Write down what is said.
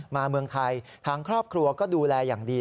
เมืองไทยทางครอบครัวก็ดูแลอย่างดี